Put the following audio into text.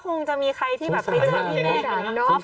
ก็คงจะมีใครที่จะมาไปเจอพี่เมฆ